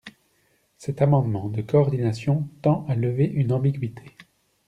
Cet amendement de coordination tend à lever une ambiguïté.